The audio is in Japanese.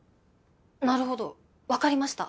なるほどわかりました！